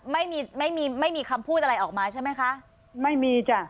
ไม่มีไม่มีคำพูดอะไรออกมาใช่ไหมคะไม่มีจ้ะ